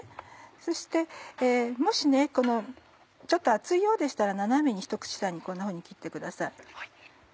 そしてもし厚いようでしたら斜めにひと口大にこんなふうに切ってください。